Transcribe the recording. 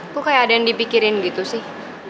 tuh kayak ada yang dipikirin gitu sih